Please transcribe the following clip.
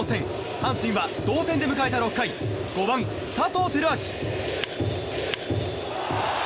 阪神は同点で迎えた６回５番、佐藤輝明。